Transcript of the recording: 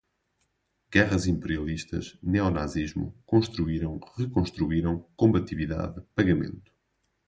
Guerras imperialistas, neonazismo, construíram, reconstruíram, combatividade, pagamento